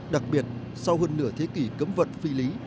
đặc biệt sau hơn nửa thế kỷ cấm vận phi lý